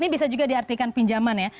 ini bisa juga diartikan pinjaman ya